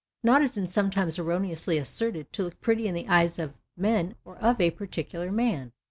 Not, as is sometimes erroneously asserted, to look pretty in the eyes of men or of a particular man.